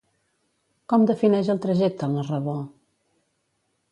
Com defineix el trajecte el narrador?